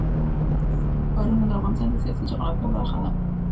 ښارونه د افغانستان د سیاسي جغرافیه برخه ده.